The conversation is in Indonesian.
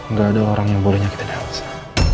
gak ada orang yang boleh nyakitin elsa